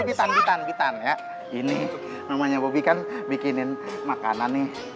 eh susah susah kita lebih tanggitan kita ya ini namanya bobykan bikinin makanan nih